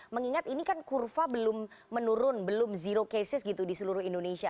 mengingat ini kan kurva belum menurun belum zero cases gitu di seluruh indonesia